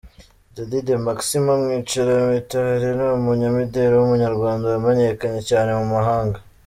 Dady De Maximo Mwicira Mitali ni umunyamideri w’umunyarwanda wamenyekanye cyane mu mahanga.